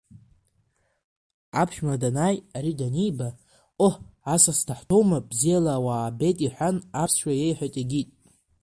Аԥшәма данааи, ари даниба, ҟоҳ, асас даҳҭоума, бзиала уаабеит иҳәан аԥсшәа иеиҳәеит, егьит.